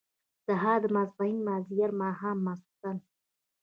سهار ، ماسپښين، مازيګر، ماښام ، ماسخوتن